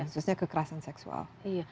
khususnya kekerasan seksual